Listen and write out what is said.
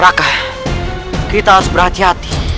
rakah kita harus berhati hati